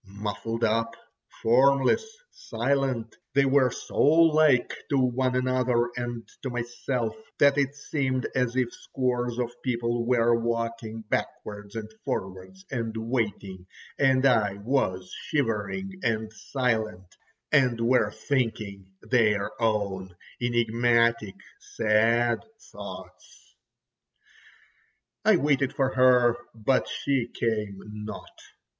Muffled up, formless, silent, they were so like to one another and to myself that it seemed as if scores of people were walking backwards and forwards and waiting, as I was, shivering and silent, and were thinking their own enigmatic sad thoughts. I waited for her, but she came not.